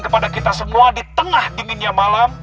kepada kita semua di tengah dinginnya malam